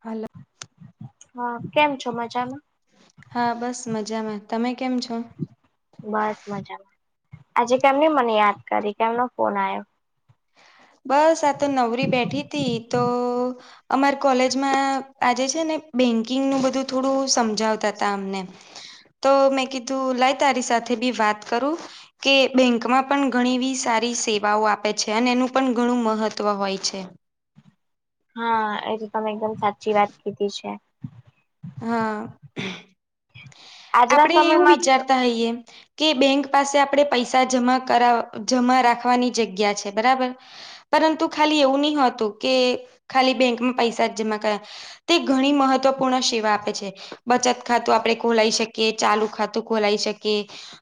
હાલો. હા, કેમ છો? મજામાં. હા બસ મજામાં તમે કેમ છો બસ મજામાં આજે કેમની મને યાદ કરી કેમનો ફોન આવ્યો બસ આ તો નવરી બેઠી હતીથી તો અમાર કોલેજમાં આજે છે, ને બેંકિંગનું બધું થોડું સમજાવતા ત અમને તો મેં કીધું લાય તારી સાથે બી વાત કરું કે બેન્કમાં પણ ઘણી બ સારી સેવાઓ આપે છે, અને એનું પણ ઘણું મહત્વ હોય છે, હા એ તો તમે એકદમ સાચી વાત કીધી છે, હા આજના આપડે એવું સમયમાં વિચારતા હઈયએ કે બેંક પાસે આપણેે પૈસા જમા કર જમા રાખવાની જગ્યા છે, બરાબર પરંતુ ખાલી એવું નહ હતું કે ખાલી બેંકમાં પૈસા જમા કરયા તે ઘણી મહત્વપૂર્ણ શ આપે છે બચત ખાતું આપડણે ખોલાઈ શકીએ ચાલુ ખાતું ખોલાઈ શકીએ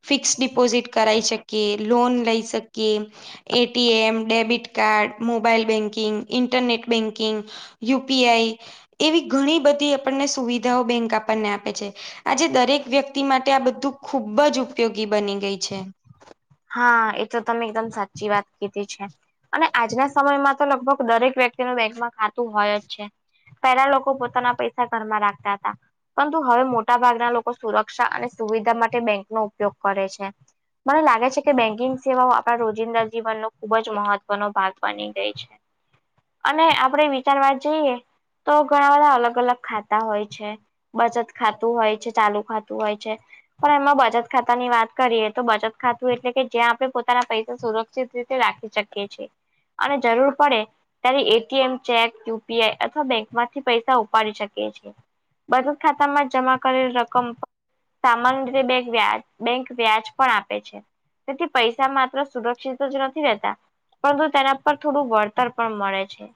ફિક્સ ડિપોઝિટ કરાવાઈ શકી લોન લઈ શકીએ ATM debit card mobile banking internet banking UPI એવી ઘણી બધી આપણને સુવિધાઓ બેંક આપણને આપે છે, આજે દરેક વ્યક્તિ માટે આ બધું ખુબ જ ઉપયોગી બની ગઈ છે, હા એ તો તમે એકદમ સાચી વાત કીધી છે, અને આજના સમયમાં તો લગભગ દરેક વ્યક્તિનું બેંકમાં ખાતું હોય જ છે, પેલા લોકો પોતાના પૈસા ઘરમાં રાખતા હતા પરંતુ હવે મોટા ભાગના લોકો સુરક્ષા અને સુવિધા માટે બેંકનો ઉપયોગ કરે છે, મને લાગે છે, કે બેન્કિંગ સેવાઓ આપણા રોજિંદા જીવનનો ખુબ જ મહત્વનો ભાગ બની ગઈ છે, અને આપડે વિચારવા જઈએ તો ઘણા બધા અલગ અલગ ખાતા હોય છે, બચત ખાતું હોય છે ચાલુ ખાતું હોય છે, પણ એમાં બચત ખાતા ની વાત કરીએ તો બચત ખાતા એટલે કે જ્યાં આપણે પોતાના પૈસા સુરક્ષિત રીતે રાખી શકીએ છે અને જરૂર પડે ત્યારે એટીએમ ચેક યુપીઆઈ અથવા બેંક માંથી પૈસા ઉપાડી શકે છે, બચત ખાતા માં જમા કરેલ રકમ સામાન બે વ્યાજ બેંક વ્યાજ પણ આપે છે, તેથી પૈસા માત્ર સુરક્ષિત જ નથી રહેતા પરંતુ તેના પર થોડું વળતર પણ મળે છે.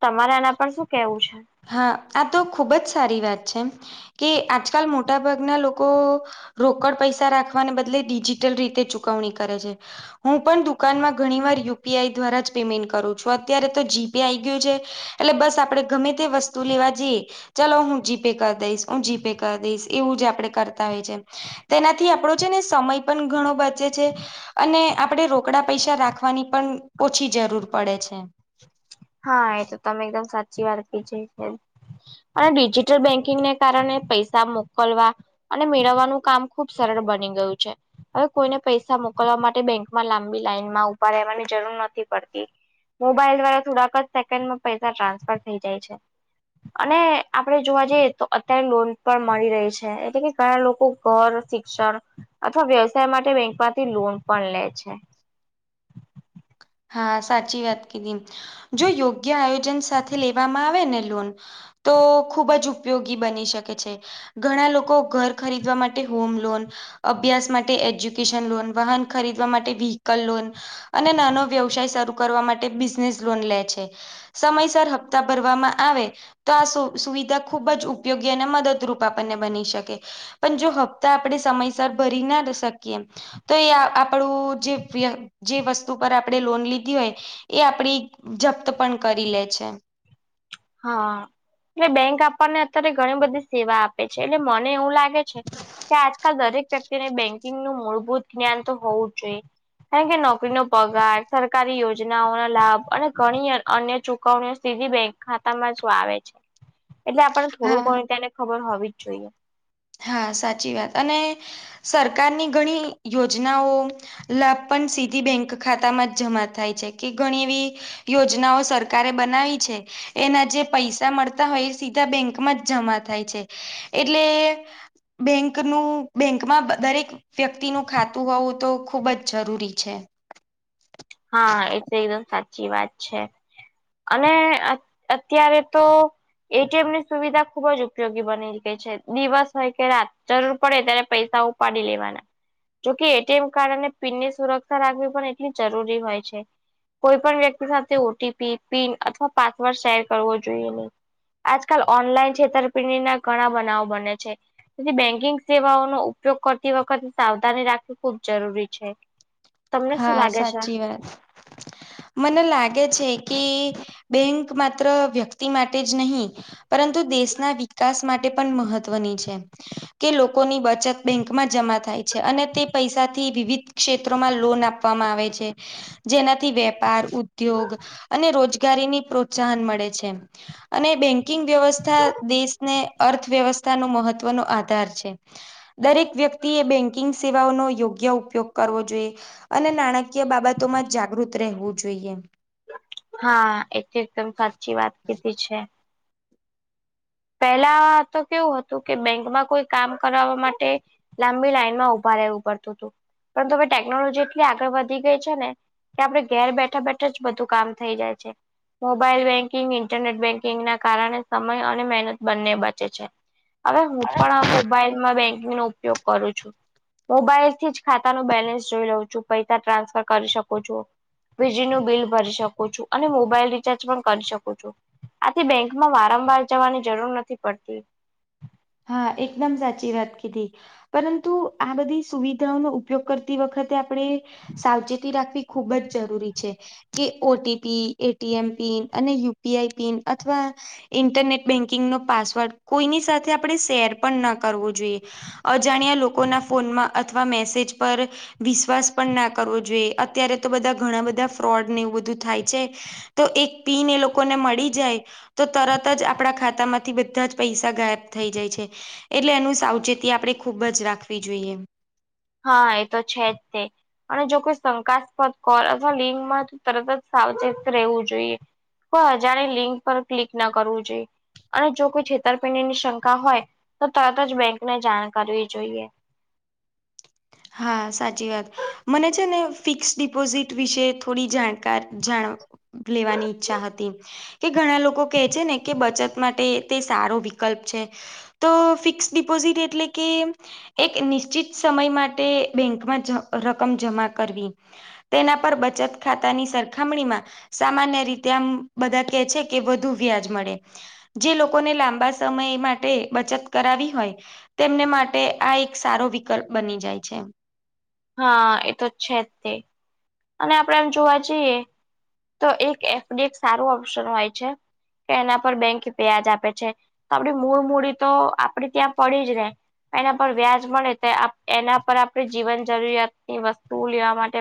તમારે એના પર શું કેવું છે? હા આ તો ખૂબ જ સારી વાત છે કે આજકાલ મોટાભાગના લોકો રોકડ પૈસા રાખવાને બદલે ડિજિટલ રીતે ચુકવણી કરે છે. હું પણ દુકાનમાં ઘણી વાર યુપીઆઈ દ્વારા જ પેમેન્ટ કરું છું અત્યારે તો જીપે આઈ ગયું છે. એટલે બસ આપડે ગમે તે વસ્તુ લેવા જઈ ચલો હું જીપે કરી દઈશ હું જીપે કરી દઈશ એવું જ આપડે કરતા હોય છે. તેનાથી આપણો છે ને સમય પણ ઘણો બચે છે. અને આપણેે રોકડા પૈસા રાખવાની પણ ઓછી જરૂર પડે છે. હા એ તો તમે એકદમ સાચી વાત કજ છે. અને ડિજિટલ બેન્કિંગને કારણે પૈસા મોકલવા અને મેળવવાનું કામ ખુબ સરળ બની ગયું છે. હવે કોઈને પૈસા મોકલવા માટે બેંકમાં લાંબી લાઈન માં ઉભા રહેવાની જરૂર નથી પડતી મોબાઈલ દ્વારા થોડાક જ સેકન્ડમાં પૈસા ટ્રાન્સફર થઈ જાય છે. અને આપડે જોવા જઈએ તો અત્યારે લોન પણ મળી રહી છે એટલે કે ઘણા લોકો ઘર શિક્ષણ અથવા વ્યવસાય માટે બેંક માંથી લોન પણ લે છે. હા સાચી વાત કીધી જો યોગ્ય આયોજન સાથે લેવામાં આવે ને લોન તો ખુબ જ ઉપયોગી બની શકે છે. ઘણા લોકો ઘર ખરીદવા માટે હોમ લોન અભ્યાસ માટે એજ્યુકેશન લોન વાહન ખરીદવા માટે વ્હીકલ લોન અને નાનો વ્યવસાય શરૂ કરવા માટે બિઝનેસ લોન લે છે, સમયસર હપ્તા ભરવામાં આવે ત આ સુ સુવિધા ખૂબ જ ઉપયોગી અને મદદરૂપ આપણને બની શકે પન જો હપ્તા આપણે સમયસર ભરીના શકીએ તો એ આ આપણું જે વય જે વસ્તુ પર આ પડે લોન લીધી હોય એ આપડી જપ્ત પણ કરી લે છે. હા. એટલે બેંક આપને અત્યારે ઘણી બધી સેવા આપે છે, એટલે મને એવું લાગે છે. કે આજકાલ દરેક વ્યક્તિને બેન્કિંગનું મૂળભૂત જ્ઞાન તો હોવું જ જોઈએ કારણ કે નોકરીનો પગાર સરકારી યોજનાઓના લાભ અને ઘણી અન્ય ચૂ કવણીઓ સીધી બેં ખાતામાં જો આવે છે, એટલે આપને થોડું હા ઘણ ત્યાને ખબર હોવી જ જોઈએ હા સાચી વાત અને સરકારની ઘણી યોજનાઓ લાભ પણ સીધી બેંક ખાતામાં જ જમા થાય છે, કે ઘણી એવી યોજનાઓ સરકારે બનાવી છે. એના જે પૈસા મળતા હોય એ સીધા બેંકમાં જ જમા થાય છે, એટલે બેંકનું બેંકમાં દરેક વ્યક્તિનું ખાતું હોવું તો ખુબ જ જરૂરી છે. હા એ તો એકદમ સાચી વાત છે. અને અ અત્યારે તો એટીએમની સુવિધા ખુબ જ ઉપયોગી બની ગઈ છે, દિવસ હોય કે રાત જરૂર પડે ત્યારે પૈસા ઉ પાડી લેવાના જોકે એટીએમ કાર્ડ અને પિનની સુરક્ષા રાખવી પણ એટલી જરૂર હોય છે. કોઈ પણ વ્યક્તિ સાથે ઓટીપી, પિન અથવા પાસવર્ડ શેર કરવો જોઈએ નય આજકાલ ઓનલાઈન છેતરપિંડીના ઘણા બનાવો બને છે. [unintelligible] બેન્કિંગ સેવાઓનો ઉપયોગ કરતી વખતે સાવધાની રાખવી ખુબ જરૂરી છે. તમને શું હા લાગે છે? સાચી મને લાગે છે. કે બેંક માત્ર વ્યક્તિ માટે જ નહી પરંતુ દેશના વિકાસ માટે પણ મહત્વની છે. કે લોકોની બચત બેંકમાં જમા થાય છે, અને તે પૈસાથી વિવિધ ક્ષેત્રોમાં લોન આપવામાં આવે છે, જેનાથી વેપાર, ઉદ્યોગ અને રોજ ગારીની પ્રોત્સાહન મળે છે અને બેંકિંગ વ્યવસ્થા દેશને અર્થવ્યવસ્થા નો મહત્વનો આધાર છે. દરેક વ્યક્તિ એ બેંકિંગ સેવાઓનો યોગ્ય ઉપયોગ કરવો જોએ. અને નાણાકીય બાબતોમાં જ જાગૃત રહેવું જોઈએ હા એ તો એકદમ સાચી વાત કીધી છે. પેલા તો કેવું હતું કે બેંકમાં કોઈ કામ કરવા માટે લાંબી લાાઈનમાં ઊભા રહેવું પડતુંતું પરંતુ હવે ટેકનોલોજી એટલી આગળ વધી ગઈ છે, ને કે આપણે ઘેર બેઠા બેઠા જ બધું કામ થઇ જાય છે. મોબાઈલ બેંકિંગ, ઇન્ટરનેટ બેન્કિંગના કારણે સમય અને મહેન બંને બચે છે, હવે હું પણ આ મોબાઈલમાં બેંકિંગનો ઉપયોગ કરું છું મોબાઈલથી જ ખાતા ન બેલેન્સ જોઈ લઉં છું પૈસા ટ્રાન્સફર કરી શકુ છો વીજળીનું બિલ ભરી શકુ છું અને મોબાઈલ રિચાર્જ પણ કરી શકુ છું આથી બેંકમાં વારંવાર જવાની જરૂર નથી પડતી હા એકદમ સાચી વાત કીધી પરંતુ આ બધી સુવિધાઓનો ઉપયોગ કરતી વખતે આપણે સાવચેતી રાખવી ખુબ જ જરૂરી છે. કે ઓટીપી, એટીએમ પિન અને યુપીઆઈ પિન અથવા ઇન્ટરનેટ બેંકિંગ નો પાસવર્ડ કોઈની સાથે આપણે શેર પણ ના કરવું જોઈએ અજાણ્યા લોકોના ફોનમાં અથવા મેસેજ પર વિશ્વાસ પણ ના કરવો જોઈએ અત્યારે તો બધા ઘણા બધા ફ્રોડ ને એવું બધું થાય છે તો એક પીન એ લોકોને મળી જાય તો તરત જ આપણા ખાતામાંથી બધા જ પૈસા ગાયબ થઈ જાય છે એટલે એનું સાવચેતી આપણે ખૂબ જ રાખવી જોઈએ હા એ તો છે જ તે અને જો કોઈ શંકાસ્પદ કર અથવા લિંગમાંથી તરત જ સાવચેત રહેવું જોઈએ પણ અજાણી લિંક પર ક્લિક ના કરવું જોઈએ અને જો કોઈ છેતરપિંડી ની શંકા હોય તો તરત જ બેંક ને જાણ કરવી જોઈએ હા સાચી વાત મને છે ને ફિક્સ ડિપોઝિટ વિશે થોડી જાણકાર જાણ લેવાની ઈચ્છા હતી કે ઘણા લોકો કેહે છે ને કે બચત માટે તે સારો વિકલ્પ છે તો ફિક્સ ડિપોઝિટ એટલે કે એક નિશ્ચિત સમય માટે તે બેંકમાં રકમ જમા કરવી તેના પર બચત ખાતાની સરખામણીમાં સામાન્ય રીતે આમ બધા કે છે કે વધુ વ્યાજ મળે જે લોકોને લાંબા સમય માટે બચત કરાવી હોય તેમને માટે આ એક સારો વિકલ્પ બની જાય છે હા એ તો જ છે જ તે અને આપણેે એમ જોવા જઈએ તો એક એફડી એક સારું ઓપ્શન હોય છે કે એના પર બેંકી વ્યાજ આપે છે તો આપડી મૂળ મૂડી તો આપડી ત્યાં પડી જ ને એના પર વ્યાજ મળે એના પર આપણે જીવન જરૂરિયાત ની વસ્તુ લેવા માટે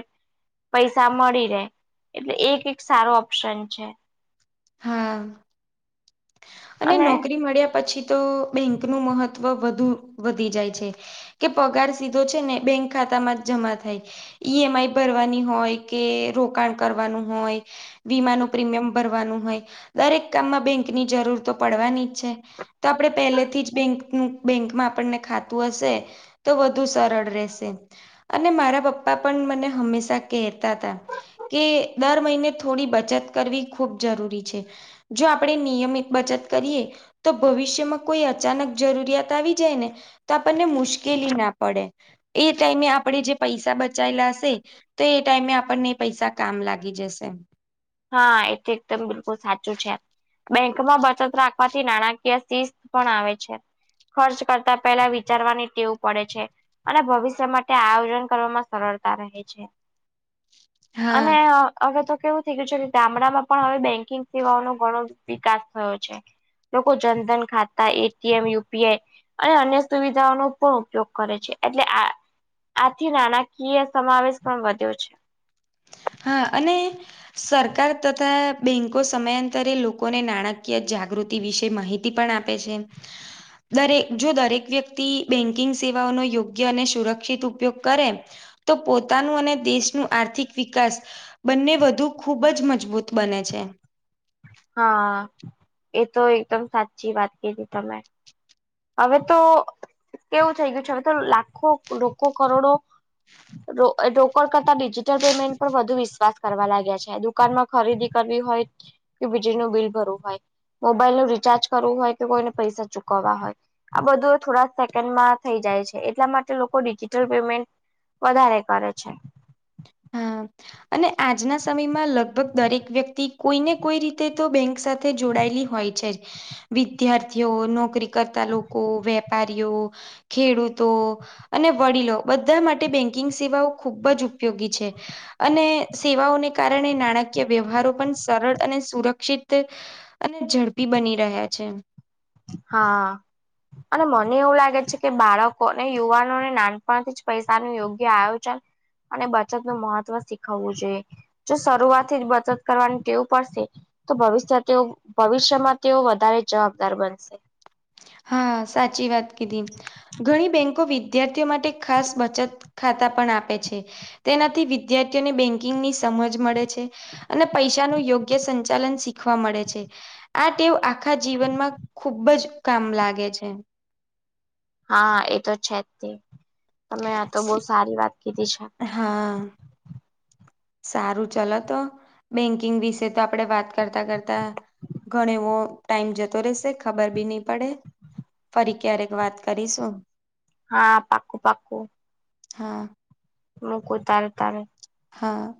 પૈસા મળી રહેે એટલે એક એક સારો ઓપ્શન છે હા અને નોકરી મળ્યા પછી તો બેંક નું મહત્વ વધુ વધી જાય છે કે પગાર સીધો છે ને બેંક ખાતા માં જ જમા થાય ઈ એમ આઈ ભરવાની હોય કે રોકાણ કરવાનું હોય વીમાનું પ્રીમિયમ ભરવાનું હોય દરેક કામમાં બેંકની જરૂર તો પડવાની જ છે. તો આપડે પહેલેથી જ બેંકનું બેંકમાં આપણને ખાતું હશે તો વધુ સરળ રહેશે અને મારા પપ્પા પણ મને હંમેશા કેતા તા કે દર મહીને થોડી બચત કરવી ખૂબ જરૂરી છે. જો આપડે નિયમિત બચત કરીએ તો ભવિષ્યમાં કોઈ અચાનક જરૂરિયાત આવી જાય ને તો આપણને મુશ્કેલી ના પડે એ ટાઈમે આપડે જે પૈસા બચાયેલા અશે ત એ ટાઈમે આપણને એ પૈસા કામ લાગી જશે હા એ તો એકદમ બિલકુલ સાચું છે બેંકમાં બચત રાખવાથી નાણાકીય શિસ્ત પણ આવે છે. ખર્ચ કરતા પહેલા વિચારવાની ટેવ પડે છે. અને ભવિષ્ય માટે આયોજન કરવામાં સરળતા રહે છે. હા ને અ અવે તો કેવું થઈ ગયું છે કે ગામડામાં પણ અવે બેંકિંગ સેવાઓનો ઘણો વિકાસ થયો છે. લોકો જનધન ખાતા એટીએમ યુપીઆઈ અને અન્ય સુવિધાઓનો પણ ઉપયોગ કરે છે એટલે આ આથી નાણાકીય સમાવેશ પણ વધ્યો છે. હા અને સરકાર તથા બેંકો સમયાંતરે લોકોને નાણાકીય જાગૃતિ વિશે માહિ તી પણ આપે છે. દરેક જો દરેક વ્યક્તિ બેન્કિંગ સેવાઓનો યોગ્ય અને સુરક્ષિત ઉપયોગ કરે તો પોતાનું અને દેશનું આર્થિક વિકાસ બંને વધુ ખૂબ જ મજબૂત બને છે. હા એ તો એકદમ સાચી વાત કીધી તમે અવે તો કેવું થઈ ગયું છે હવે તો લાખો લોકો કરોડો રો અ રોકડ કરતા ડિજિટલ પેમેન્ટ પર વધુ વિશ્વાસ કરવા લાગ્યા છે હજુ દુકાનમાં ખરીદી કરવી હોય કે વીજળી નું બિલ ભરવું હોય મોબાઈલ નું રીચાર્જ કરવું હોય કે કોઈને પૈસા ચૂકવવા હોય આ બધું થોડા સેકન્ડમાં થઈ જાય છે એટલા માટે લોકો ડિજિટલ પેમેન્ટ વધારે કરે છે. હા. અને આજના સમયમાં લગભગ દરેક વ્યક્તિ કોઈને કોઈ રીતે તો બેંક સાથ તે જોડાયેલી હોય છે વિદ્યાર્થીઓ નોકરી કરતા લોકો વેબ વેપારિયો ખેડૂતો અને વડીલો બધા માટે બેંકિંગ સેવાઓ ખુબ જ ઉપયોગી છે. [inaudible] અને સેવાઓને કારણે નાણાકીય વ્યવહારો પણ સરળ અને સુરક્ષિત અને ઝડપી બની રહ્યા છે. હા. અને મને એવું લાગે છે કે બાળકોને યુવાનોને નાનપણથી જ પૈસાનું યોગ્ય આયોજન અને બચત નું મહત્વ શીખવવું જોઈએ. જો શરૂઆત થી જ બચત કરવાની ટેવ પડશે તો ભવિષ્ય તેઓ ભવિષ્યમાં તેઓ વધારે જવાબદાર બનશે. હા સાચી વાત કીધી ઘણી બેંકો વિદ્યાર્થીઓ માટે ખાસ બચત ખાતા પણ આપે છે. તેનાથી વિદ્યાર્થીઓને બેન્કિંગ ની સમજ મળે છે. અને પૈસાનું યોગ્ય સંચાલન શીખવા મળે છે. આ ટેવ આખા જીવનમાં ખુબ જ કામ લાગે છે. હા એ તો છે જ તે તમે આ તો બો સારી વાત કીધી છે. હા સારું ચલો તો બેંકિંગ વિશે તો આપડે વાત કરતા કરતા ઘણ એવો ટાઈમ જતો રહેશે ખબર બી નહી પડે ફરી ક્યારેક વાત કરીશું હા પાકું પાકું હા. મૂકુ તારે તારે હા.